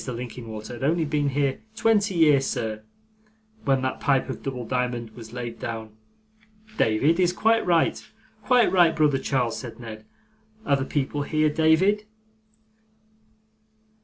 Linkinwater had only been here twenty year, sir, when that pipe of double diamond was laid down.' 'David is quite right, quite right, brother Charles,' said Ned: 'are the people here, David?